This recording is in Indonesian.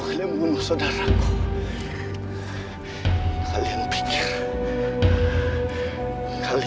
kau tak boleh lewati raju